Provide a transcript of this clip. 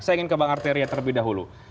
saya ingin ke bang arteria terlebih dahulu